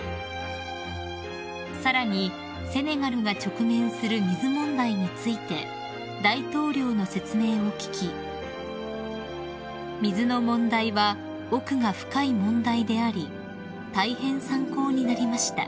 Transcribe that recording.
［さらにセネガルが直面する水問題について大統領の説明を聞き「水の問題は奥が深い問題であり大変参考になりました」